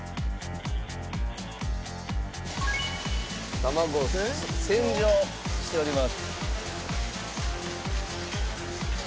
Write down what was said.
卵を洗浄しております。